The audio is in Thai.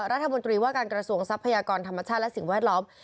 รัฐมนตรีว่าการกระทรวงทรัพยากรธรรมชาติและสิ่งแวดล้อม